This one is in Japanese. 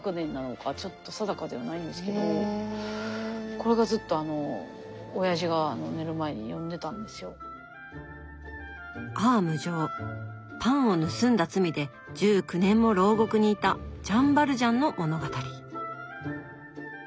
これがずっとパンを盗んだ罪で１９年も牢獄にいたジャン・バルジャンの物語。